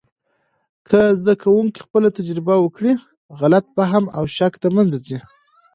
که زده کوونکي خپله تجربه وکړي، غلط فهم او شک د منځه ځي.